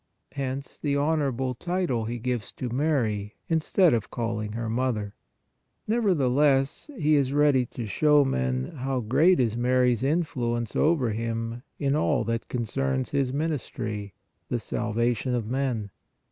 Hence the honorable title He gives to Mary, in PRAYER MADE MORE EFFECTIVE 65 stead of calling her " Mother "; nevertheless, He is ready to show to men how great is Mary s influence over Him in all that concerns His ministry, the salvation of men.